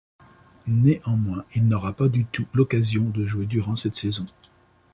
Néanmoins, il n'aura pas du tout l'occasion de jouer durant cette saison.